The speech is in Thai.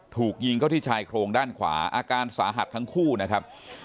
ถูกยิงเข้าที่ชายโครงด้านขวาอาการสาหัสทั้งคู่นะครับ